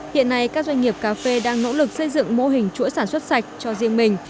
hiện nay các doanh nghiệp cà phê đang nỗ lực xây dựng mô hình chuỗi sản xuất sạch cho riêng mình